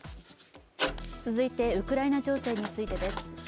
続いてウクライナ情勢についてです。